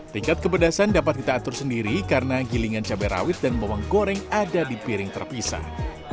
tingkat kepedasan dapat kita atur sendiri karena gilingan cabai rawit dan bawang goreng ada di piring terpisah